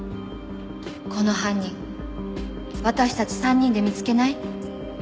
この犯人私たち３人で見つけない？